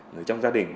người trong gia đình